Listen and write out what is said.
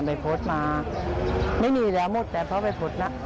วัยพฤษก็มีงานอายุมาก